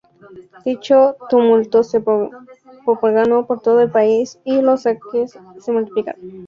Dicho tumulto se propagó por todo el país y los saqueos se multiplicaron.